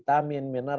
ada lemak ada makanan